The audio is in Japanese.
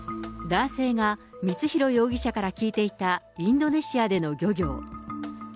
男性が光弘容疑者から聞いていたインドネシアでの漁業。